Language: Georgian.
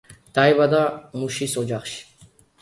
დაიბადა მუშის ოჯახში.